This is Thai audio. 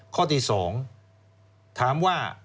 ข้อที่๒ถามว่า